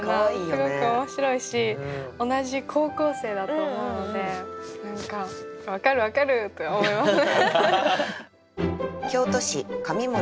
すごく面白いし同じ高校生だと思うので何か「分かる分かる」って思います。